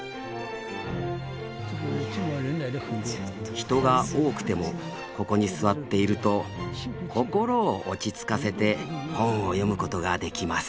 人が多くてもここに座っていると心を落ち着かせて本を読むことができます。